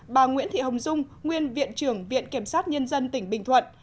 bà nguyễn thị hồng dung nguyên viện trưởng viện kiểm sát nhân dân tỉnh bình thuận